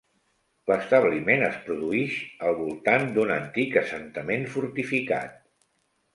L'establiment es produïx al voltant d'un antic assentament fortificat.